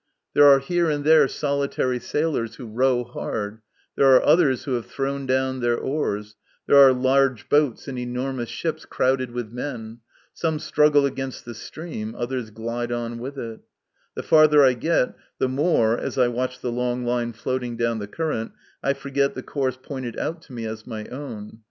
There are here and there solitary sailors who row hard, there are others who have thrown down their oars, there are large boats and enormous ships crowded with men ; some struggle against the stream, others glide on with it The farther I get, the more, as I watch the long line floating down the current, I forget the course pointed out to me as my own.